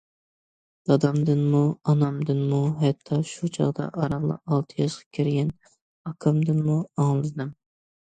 دادامدىنمۇ، ئانامدىنمۇ ھەتتا شۇ چاغدا ئارانلا ئالتە ياشقا كىرگەن ئاكامدىنمۇ ئاڭلىدىم.